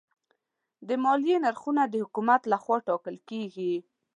د مالیې نرخونه د حکومت لخوا ټاکل کېږي.